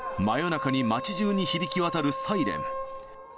真夜中に町じゅうに響き渡るサイレン。